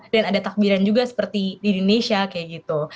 dan ada takbiran juga seperti di indonesia kayak gitu